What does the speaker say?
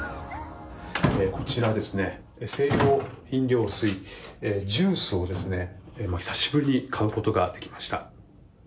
こちら清涼飲料水、ジュースを久しぶりに買うことができました。